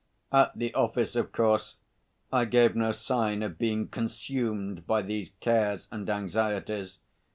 At the office, of course, I gave no sign of being consumed by these cares and anxieties.